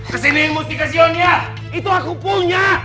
kesini mutikasionnya itu aku punya